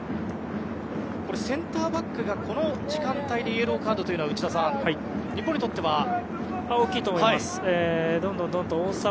センターバックがこの時間帯でイエローカードというのは内田さん、日本にとっては。